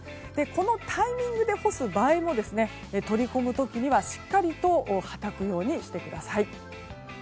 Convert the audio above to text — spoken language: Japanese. このタイミングで干す場合も取り込む時には、しっかりとはたくようにしてください。